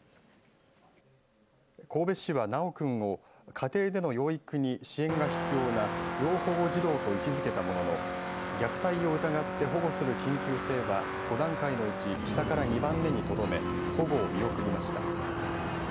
神戸市は修君を家庭での養育に支援が必要な要保護児童と位置づけたものの虐待を疑って保護する緊急性は５段階のうち下から２番目に留め保護を見送りました。